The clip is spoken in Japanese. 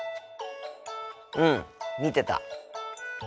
うん見てた。